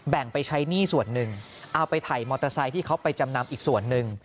ไปใช้หนี้ส่วนหนึ่งเอาไปถ่ายมอเตอร์ไซค์ที่เขาไปจำนำอีกส่วนหนึ่ง